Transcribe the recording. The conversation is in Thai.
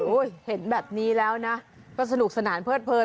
เห็นแบบนี้แล้วนะก็สนุกสนานเพิดเพลิน